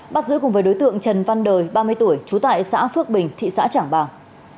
bắt giữ cùng với đối tượng trần văn đời ba mươi tuổi trú tại xã phước bình thị xã trảng bàng